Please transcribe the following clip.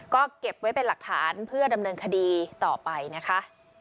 ก็เก็บไว้เป็นหลักฐานเพื่อดำเนินคดีต่อไปนะคะ